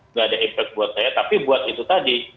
nggak ada impact buat saya tapi buat itu tadi